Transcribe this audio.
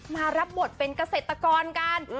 รับบทเป็นเกษตรกรกัน